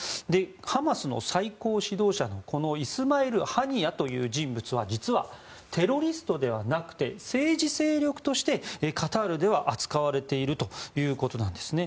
ハマスの最高指導者のイスマイル・ハニヤという人物は実はテロリストではなくて政治勢力としてカタールでは扱われているということなんですね。